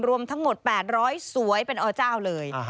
รวมทั้งหมด๘๐๐สวยเป็นอเจ้าเลย